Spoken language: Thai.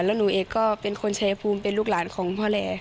แล้วหนูเอกก็เป็นคนชายภูมิเป็นลูกหลานของพ่อแร่